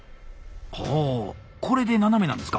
ほこれで斜めなんですか。